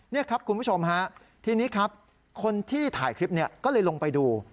นี่ครับคุณผู้ชมฮะทีนี้ครับคนที่ถ่ายคลิปเนี่ยก็เลยลงไปดู